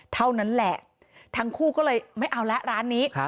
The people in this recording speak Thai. เท่านั้นแหละทั้งคู่ก็เลยไม่เอาแล้วร้านนี้